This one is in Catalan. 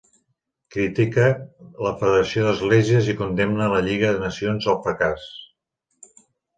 Critica la federació d'esglésies i condemna la Lliga de Nacions al fracàs.